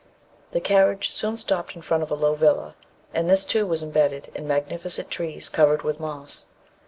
The carriage soon stopped in front of a low villa, and this too was embedded in magnificent trees covered with moss.